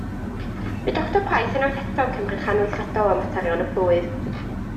Bu Doctor Price unwaith eto yn cymryd rhan weithredol ym materion y plwyf.